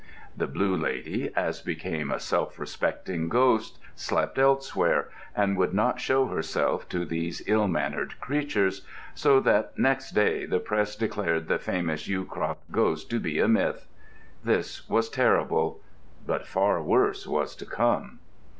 The Blue Lady, as became a self respecting ghost, slept elsewhere, and would not show herself to these ill mannered creatures; so that next day the Press declared the famous Yewcroft ghost to be a myth. This was terrible; but far worse was to come.